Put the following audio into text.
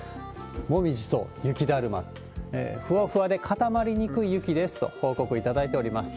もみじと雪だるま、ふわふわで固まりにくい雪ですと、報告をいただいております。